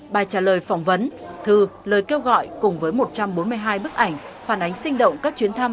bài trả lời phỏng vấn thư lời kêu gọi cùng với một trăm bốn mươi hai bức ảnh phản ánh sinh động các chuyến thăm